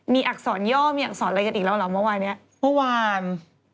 มีอักษรย่อมีอักษรอะไรกันอีกแล้วเหรอเมื่อวานนี้เมื่อวาน